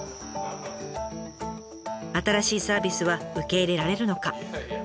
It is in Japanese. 新しいサービスは受け入れられるのか？